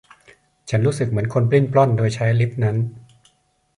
ฉันรู้สึกเหมือนคนปลิ้นปล้อนโดยใช้ลิฟท์นั้น